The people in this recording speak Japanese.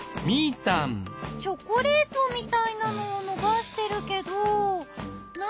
チョコレートみたいなのを伸ばしてるけど何？